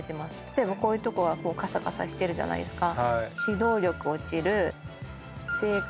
例えばこういうとこがカサカサしてるじゃないですか。